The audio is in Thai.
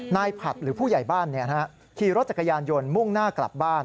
ผัดหรือผู้ใหญ่บ้านขี่รถจักรยานยนต์มุ่งหน้ากลับบ้าน